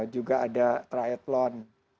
juga ada triathlon